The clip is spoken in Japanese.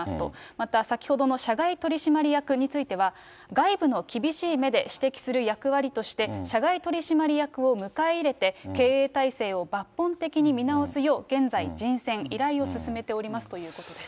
また先ほどの社外取締役については、外部の厳しい目で指摘する役割として、社外取締役を迎え入れて、経営体制を抜本的に見直すよう、現在、人選、依頼を進めておりますということです。